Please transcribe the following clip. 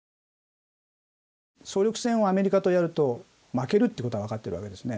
総力戦をアメリカとやると負ける事は分かってるわけですね。